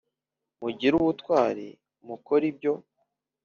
Mugire ubutwari h mukore ibyo